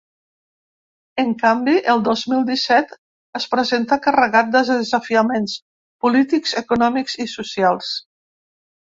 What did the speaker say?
En canvi, el dos mil disset es presenta carregat de desafiaments polítics, econòmics i socials.